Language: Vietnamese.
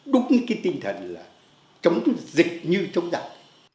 đúng cái tinh thần là chống dịch như chống dặn